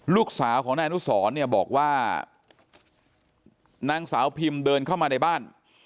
ลูกสาวของนายอนุสรเนี่ยบอกว่านางสาวพิมเดินเข้ามาในบ้าน